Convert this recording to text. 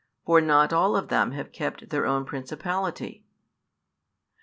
For not all of them have kept their own principality."